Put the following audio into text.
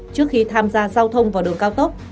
trước khi tham gia giao thông vào đường cao tốc